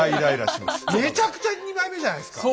めちゃくちゃ二枚目じゃないですか。